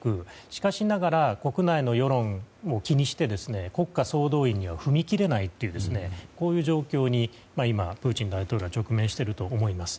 しかしながら国内の世論を気にして国家総動員には踏み切れないというこういう状況に今プーチン大統領は直面していると思います。